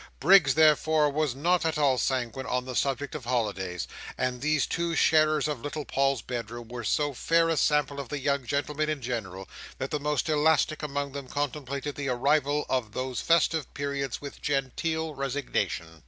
Briggs, therefore, was not at all sanguine on the subject of holidays; and these two sharers of little Paul's bedroom were so fair a sample of the young gentlemen in general, that the most elastic among them contemplated the arrival of those festive periods with genteel resignation.